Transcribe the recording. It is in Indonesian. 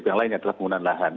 yang lain adalah penggunaan lahan